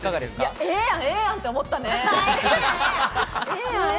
ええやん、ええやんって思ったね。